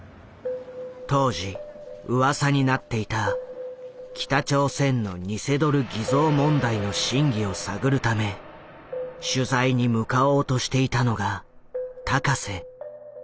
当時うわさになっていた北朝鮮の偽ドル偽造問題の真偽を探るため取材に向かおうとしていたのが高世。